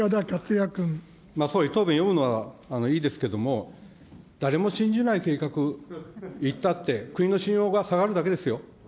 総理、答弁読むのはいいですけども、誰も信じない計画、言ったって、国の信用が下がるだけですよ。